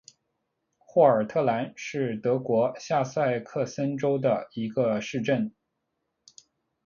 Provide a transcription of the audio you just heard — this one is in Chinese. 霍尔特兰是德国下萨克森州的一个市镇。